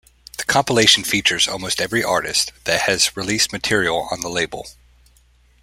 The compilation features almost every artist that has released material on the label.